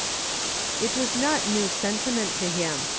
It was not new sentiment to him.